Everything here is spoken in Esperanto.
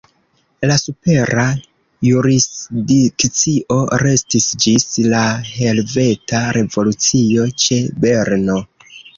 La supera jurisdikcio restis ĝis la Helveta Revolucio ĉe Berno.